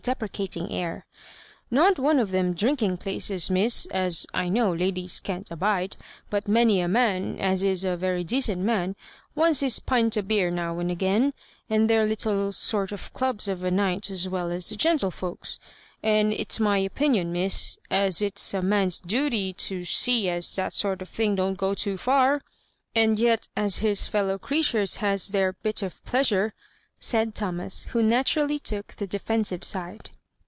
deprecatmg air —'' not one of them drmk ing places. Miss, as, I know, ladies can't abide; but many a man, as is a very decent man, wants bis pint o' beer now and again, and their Uttle sort of clubs of a night as well as the gentlefolks ; and it*8 my opinion, Misa^ as it's a man's dooty to see as that sort of thing don't go too far, and yet as his fellow creatures has their bit of jkeasure," said Thomas, who naturally cook the defensive side.